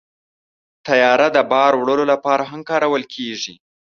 طیاره د بار وړلو لپاره هم کارول کېږي.